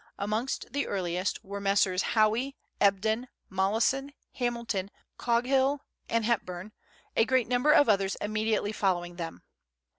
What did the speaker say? Amongst the earliest were Messrs. Howey, Ebden, Mollison, Hamilton, Coghill, and Hepburn, a great number of others immediately following them.